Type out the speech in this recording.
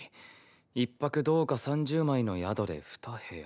１泊銅貨３０枚の宿で２部屋。